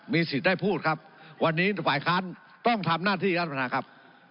สิทธิ์ได้พูดครับวันนี้ฝ่ายค้านต้องทำหน้าที่ท่านประธานครับ